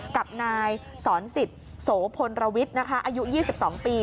กับนายศรศิษย์โสพลวิทย์อายุ๒๒ปี